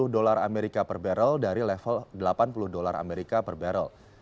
dua puluh dolar amerika per barrel dari level delapan puluh dolar amerika per barrel